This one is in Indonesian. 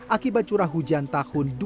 akibat curah hujan tahun dua ribu dua puluh